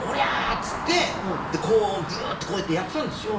っつってこうグってこうやってやってたんですよ。